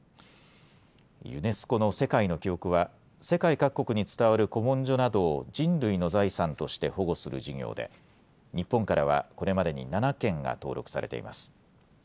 ユネスコの世界の記憶は、世界各国に伝わる古文書などを人類の財産として保護する事業で、日本からはこれまでに７件が登録されています。